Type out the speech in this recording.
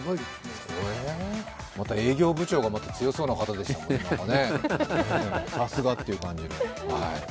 また営業部長が強そうな方でしたね、さすがっていう感じの。